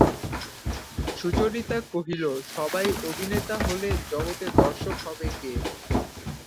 সুচরিতা কহিল, সবাই অভিনেতা হলে জগতে দর্শক হবে কে?